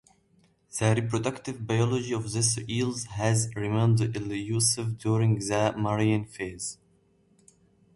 The reproductive biology of these eels has remained elusive during the marine phase.